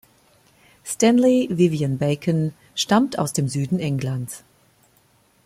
Stanley Vivian Bacon stammt aus dem Süden Englands.